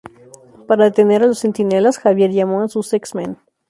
Para detener a los Centinelas, Xavier llamó a sus X-Men.